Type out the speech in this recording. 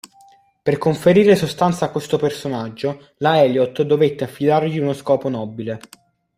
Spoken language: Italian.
Per conferire sostanza a questo personaggio, la Eliot dovette affidargli uno scopo nobile.